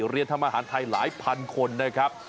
เรียนทำอาหารไทยหลายพันคนนะครับ